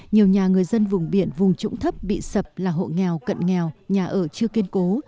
nhiều nhà người dân vùng biển vùng trũng thấp bị sập là hộ nghèo cận nghèo nhà ở chưa kiên cố